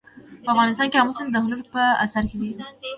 په افغانستان کې آمو سیند د هنر په اثار کې دی.